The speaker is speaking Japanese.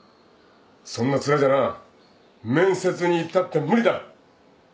そんな面じゃな面接に行ったって無理だ。